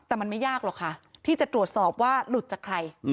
แต่มันไม่ยากหรอกค่ะที่จะตรวจสอบว่าหลุดจากใคร